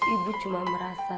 ibu cuma merasa